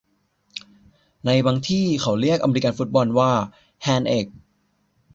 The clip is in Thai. ในบางที่เขาเรียกอเมริกันฟุตบอลว่าแฮนด์เอ๊ก